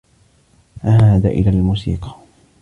عاد إلى الموسيقى.